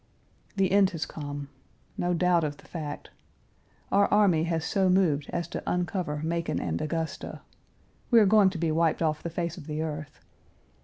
The end has come. No doubt of the fact. Our army has so moved as to uncover Macon and Augusta. We are going to be wiped off the face of the earth.